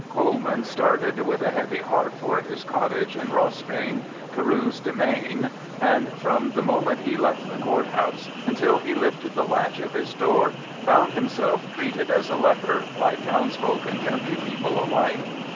Coleman started with a heavy heart for his cottage in Rossbane, Carew's demesne, and from the moment he left the court house until he lifted the latch of his door found himself treated as a leper by townsfolk and country people alike.